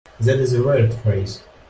That is a weird phrase.